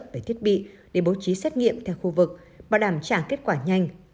về thiết bị để bố trí xét nghiệm theo khu vực bảo đảm trả kết quả nhanh